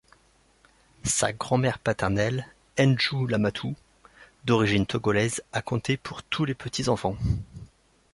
Sa grand-mère paternelle N'djou Lamatou, d'origine togolaise a compté pour tous les petits-enfants.